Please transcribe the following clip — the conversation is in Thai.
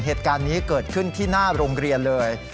เหตุการณ์นี้เกิดขึ้นที่หน้าโรงเรียนเลย